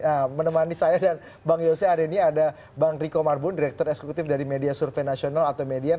nah menemani saya dan bang yose hari ini ada bang riko marbun direktur eksekutif dari media survei nasional atau median